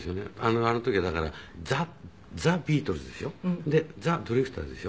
あの時はだからザザ・ビートルズでしょ？でザ・ドリフターズでしょ？